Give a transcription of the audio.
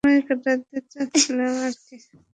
সময় কাটাতে চাচ্ছিলাম আর কি।